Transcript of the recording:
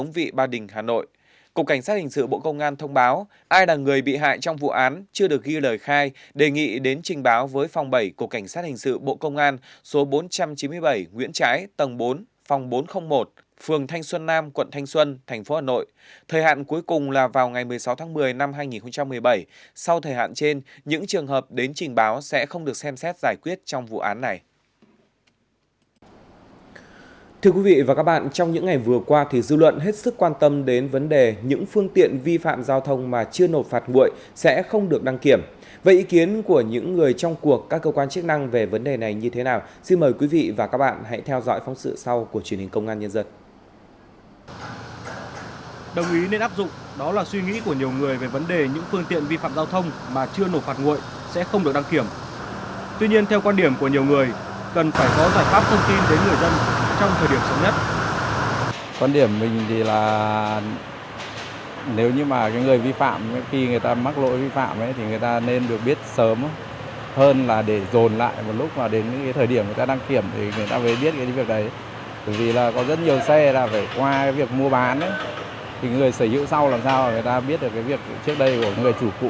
vì là có rất nhiều xe là phải qua việc mua bán người sở hữu sau làm sao để người ta biết được cái việc trước đây của người chủ cũ như thế nào đúng không